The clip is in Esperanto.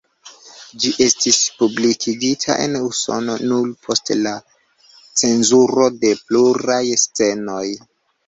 Ĝi estis publikigita en Usono nur post la cenzuro de pluraj scenoj.